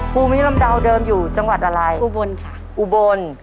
ภูมิลำเดาเดิมอยู่จังหวัดอะไรอุบลค่ะอุบล